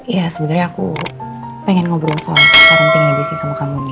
ya sebenarnya aku pengen ngobrol soal parenting aja sih sama kamu